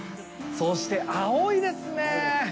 そして青いですね！